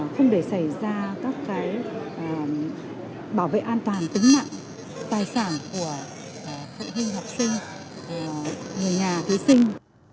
không để xảy ra các cái bảo vệ an toàn tính nặng tài sản của học sinh người nhà thí sinh